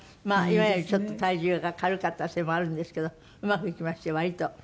まあ今よりちょっと体重が軽かったせいもあるんですけどうまくいきましたよ割と。